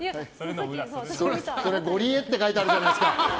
ゴリエって書いてあるじゃないですか。